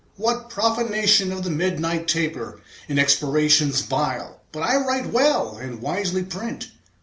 "What profanation of the midnight taper In expirations vile! But I write well, And wisely print.